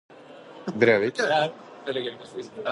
Brevik